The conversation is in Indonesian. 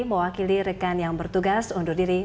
mewakili rekan yang bertugas undur diri